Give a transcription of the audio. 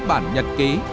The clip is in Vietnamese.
bản nhật ký